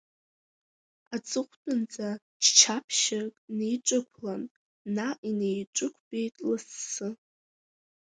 Аҵыхәтәанӡа ччаԥшьык неиҿықәлан, наҟ инеиҿықәбеит лассы.